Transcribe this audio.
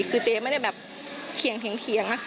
คือเจ๊ไม่ได้แบบเถียง